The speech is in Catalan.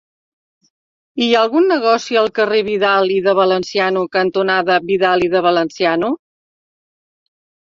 Hi ha algun negoci al carrer Vidal i de Valenciano cantonada Vidal i de Valenciano?